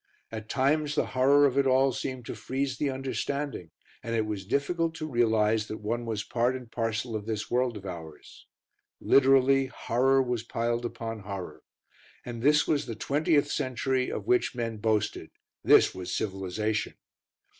At times the horror of it all seemed to freeze the understanding, and it was difficult to realise that one was part and parcel of this world of ours. Literally, horror was piled upon horror. And this was the twentieth century of which men boasted; this was civilisation!